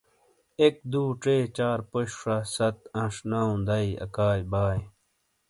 اک ۔۔دُو۔ ژے۔ چار پوش ۔شہ۔ ست انش۔ نو دائی۔ اکائی بائی۔۔۔۔